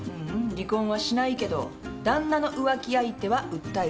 離婚はしないけど旦那の浮気相手は訴えるってわけ。